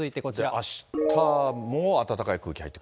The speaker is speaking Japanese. あしたも暖かい空気入ってくる。